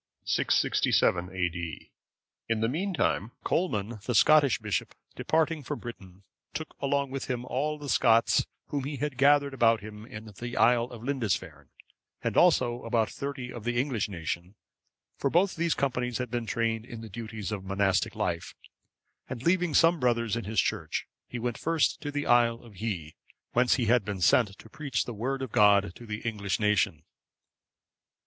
[667 A.D.] In the meantime, Colman, the Scottish bishop, departing from Britain,(556) took along with him all the Scots whom he had gathered about him in the isle of Lindisfarne, and also about thirty of the English nation, for both these companies had been trained in duties of the monastic life; and leaving some brothers in his church, he went first to the isle of Hii,(557) whence he had been sent to preach the Word of God to the English nation.